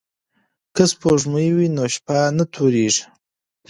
که سپوږمۍ وي نو شپه نه تورېږي.